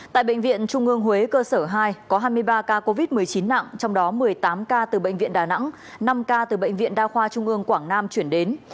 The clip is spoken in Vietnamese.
tại bệnh viện trung ương huế cơ sở hai có hai mươi ba ca covid một mươi chín nặng trong đó một mươi tám ca từ bệnh viện đà nẵng năm ca từ bệnh viện đa khoa trung ương quảng nam chuyển đến